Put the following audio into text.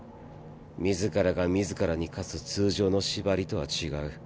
自らが自らに科す通常の縛りとは違う。